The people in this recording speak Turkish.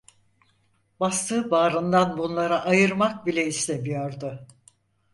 Bastığı bağrından bunları ayırmak bile istemiyordu.